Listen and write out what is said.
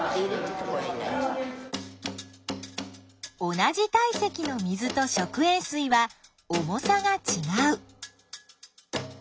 同じ体積の水と食塩水は重さがちがう。